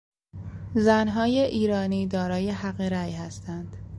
زنهای ایرانی دارای حق رای هستند.